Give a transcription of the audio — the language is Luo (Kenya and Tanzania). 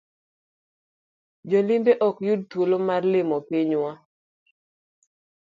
Jolimbe ok yud thuolo mar limo pinywa.